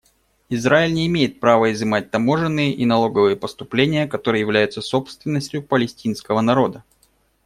Израиль не имеет права изымать таможенные и налоговые поступления, которые являются собственностью палестинского народа.